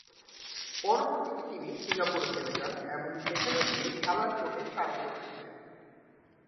পরবর্তীতে তিনি সিঙ্গাপুরে চলে যান এবং যেখানে গিয়ে খেলার কোর্টে শাড়ি পরেছিলেন।